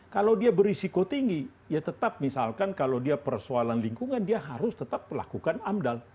kalau dia berisiko tinggi ya tetap misalkan kalau dia persoalan lingkungan dia harus tetap lakukan amdal